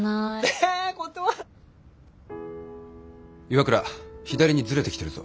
岩倉左にずれてきてるぞ。